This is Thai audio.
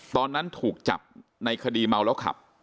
ตอนนั้นถูกจับในคดีเมาแล้วขับ